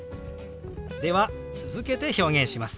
では続けて表現します。